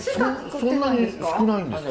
そそんなに少ないんですか？